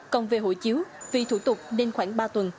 còn về hộ chiếu vì thủ tục nên khoảng ba tuần